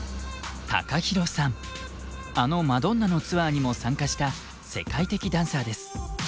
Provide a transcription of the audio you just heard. あのマドンナのツアーにも参加した世界的ダンサーです。